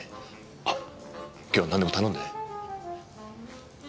あっ今日は何でも頼んで。